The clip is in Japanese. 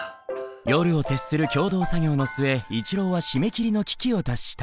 夜を徹する共同作業の末一郎は締め切りの危機を脱した。